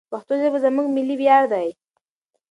پښتو ژبه زموږ ملي ویاړ دی.